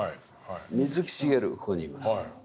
水木しげるここにいます。